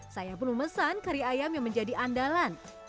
saya pun memesan kari ayam yang menjadi andalan